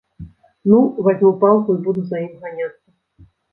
Ну, вазьму палку і буду за ім ганяцца.